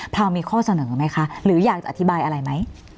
ราวมีข้อเสนอไหมคะหรืออยากจะอธิบายอะไรไหม